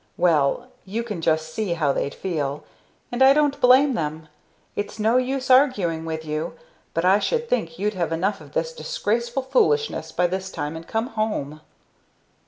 _ well, you can just see how they'd feel; and I don't blame them. It's no use arguing with you but I should think you'd have enough of this disgraceful foolishness by this time and come home!"